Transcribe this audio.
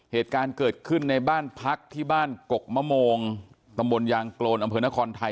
เหตุการณ์เกิดขึ้นในบ้านพักที่บ้านกกมะโมงตำบลยางโกนอำเภอนครไทย